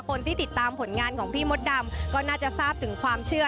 คนที่ติดตามผลงานของพี่มดดำก็น่าจะทราบถึงความเชื่อ